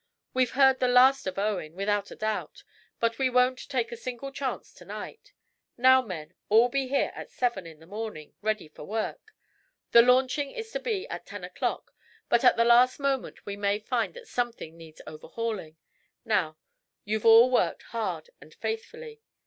"We've heard the last of Owen, without a doubt, but we won't take a single chance to night. Now, men, all be here at seven in the morning, ready for work. The launching is to be at ten o'clock, but at the last moment we may find that something needs overhauling. Now, you've all worked hard and faithfully."